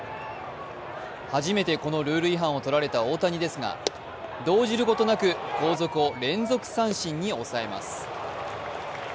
初めてこのルール違反を取られた大谷ですが、動じることなく後続を連続三振に抑えます。